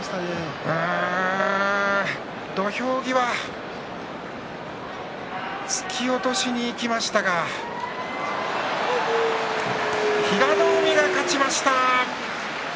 土俵際、突き落としにいきましたが平戸海が勝ちました。